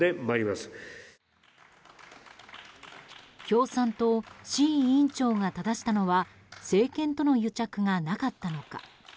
共産党志位委員長がただしたのは政権との癒着がなかったのか。